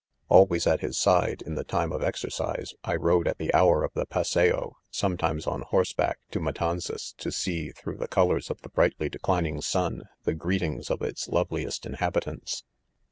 Al ways at his side in the time of exercise, ' rode, at the hour of the passeo^ sometimes on horse° Back 3 to Matanzas, to see through the colours EPILOGUE. 213 of the "brightly declining sun, the greetings of Its loveliest inhabitants.